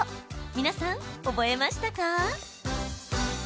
皆さん、覚えましたか？